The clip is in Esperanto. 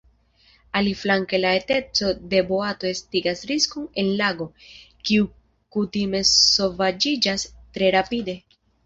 Aliflanke la eteco de boato estigas riskon en lago, kiu kutime sovaĝiĝas tre rapide.